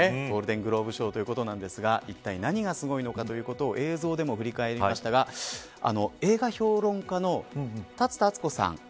ゴールデン・グローブ賞ということなんですがいったい何がすごいのかということを映像でも振り返りましたが映画評論家の立田敦子さん。